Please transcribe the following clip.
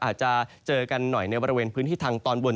อาจจะเจอกันหน่อยในบริเวณพื้นที่ทางตอนบน